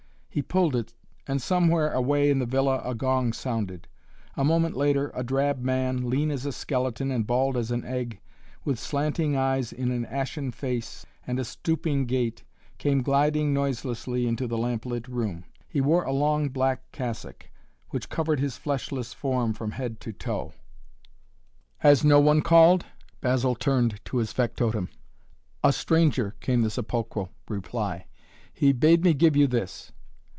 He pulled it and somewhere away in the villa a gong sounded. A moment later a drab man, lean as a skeleton and bald as an egg, with slanting eyes in an ashen face and a stooping gait, came gliding noiselessly into the lamplit room. He wore a long black cassock, which covered his fleshless form from head to toe. "Has no one called?" Basil turned to his factotum. "A stranger," came the sepulchral reply. "He bade me give you this!"